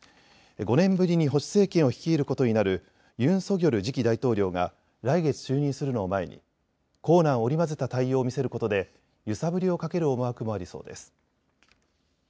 ５年ぶりに保守政権を率いることになるユン・ソギョル次期大統領が来月、就任するのを前に硬軟織り交ぜた対応を見せることで揺さぶりをかける思惑もありそうです。